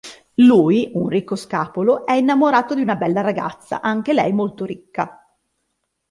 Lui, un ricco scapolo, è innamorato di una bella ragazza, anche lei molto ricca.